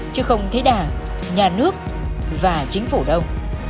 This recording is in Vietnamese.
chứ không thấy đảng nhà nước và chính phủ đâu